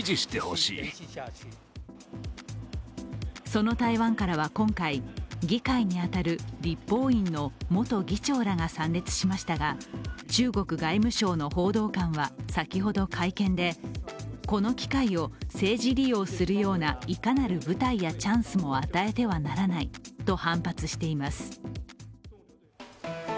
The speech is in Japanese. その台湾からは今回、議会に当たる立法院の元議長らが参列しましたが中国外務省の報道官は先ほど会見で、この機会を政治利用するようないかなる舞台やチャンスも与えてはならないと反発しています。